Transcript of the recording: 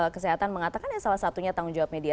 kesehatan mengatakan ya salah satunya tanggung jawab media